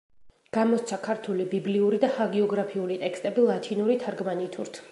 გამოსცა ქართული ბიბლიური და ჰაგიოგრაფიული ტექსტები ლათინური თარგმანითურთ.